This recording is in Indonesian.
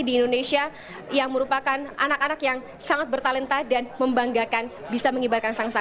di indonesia yang merupakan anak anak yang sangat bertalenta dan membanggakan bisa mengibarkan sangsa